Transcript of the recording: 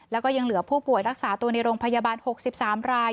แล้วก็ยังเหลือผู้ป่วยรักษาตัวในโรงพยาบาล๖๓ราย